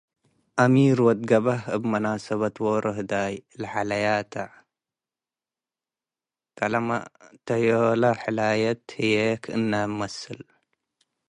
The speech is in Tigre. አሚር ወድ ገ’በህ እብ ምስምሰ ኦሮ ህዳይ ለሐለያተ። ከለመእተዮለ ሕላየት ህዬ ክእነ መስል።-